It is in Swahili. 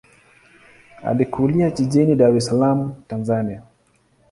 Alikulia jijini Dar es Salaam, Tanzania.